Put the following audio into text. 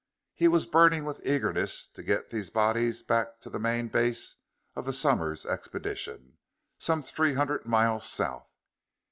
He was burning with eagerness to get these bodies back to the main base of the Somers Expedition, some three hundred miles south.